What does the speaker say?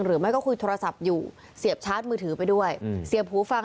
หรือไม่ก็คุยโทรศัพท์อยู่เสียบชาร์จมือถือไปด้วยเสียบหูฟัง